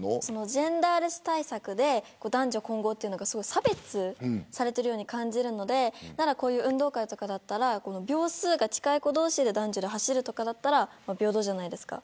ジェンダーレス対策で男女混合が差別されているように感じるので運動会とかだったら秒数が近い子同士で男女で走るとかだったら平等じゃないですか。